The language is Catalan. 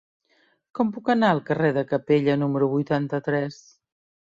Com puc anar al carrer de Capella número vuitanta-tres?